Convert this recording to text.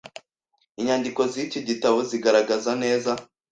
inyandiko z’iki gitabo zigaragaza neza